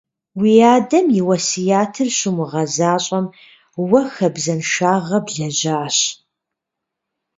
Уи адэм и уэсятыр щумыгъэзэщӀэм, уэ хабзэншагъэ блэжьащ.